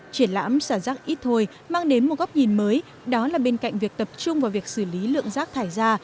triển lãm xả rác ít thôi mang đến một góc nhìn mới đó là bên cạnh việc tập trung vào việc xử lý lượng rác thải ra